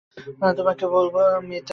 তোমাকে বলব মিতা।